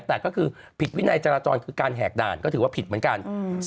แต่ก็คือผิดวินัยจราจรคือการแหกด่านก็ถือว่าผิดเหมือนกัน